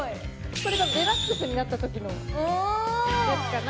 これがデラックスになったときのやつかな。